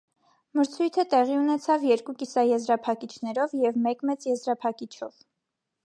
Մրցոյթը տեղի ունեցաւ երկու կիսաեզրափակիչներով եւ մէկ մեծ եզրափակիչով։